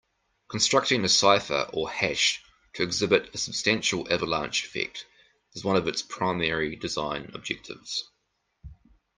Constructing a cipher or hash to exhibit a substantial avalanche effect is one of its primary design objectives.